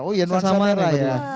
oh iya nuan sama merah ya